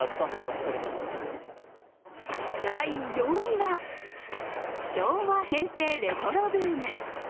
第４位は、昭和・平成レトロブーム。